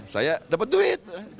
saya dapet duit